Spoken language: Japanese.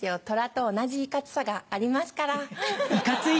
トラと同じいかつさがありますから。